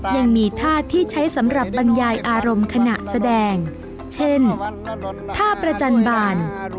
ยังมีท่าที่ใช้สำหรับบรรยายอารมณ์ขณะแสดงเช่นท่าประจันบาล